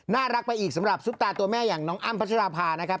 น่ารักไปอีกสำหรับซุปตาตัวแม่อย่างน้องอ้ำพัชราภานะครับ